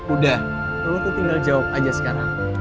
udah lu aku tinggal jawab aja sekarang